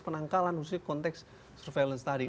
penangkalan khususnya konteks surveillance tadi